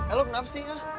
eh lo kenapa sih